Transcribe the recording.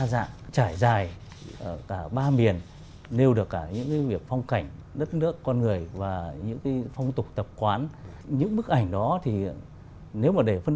và xin phần chia sẻ của nhà báo việt văn